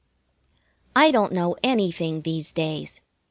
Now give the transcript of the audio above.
I don't know anything these days.